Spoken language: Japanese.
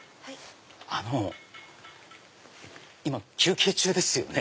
あの今休憩中ですよね？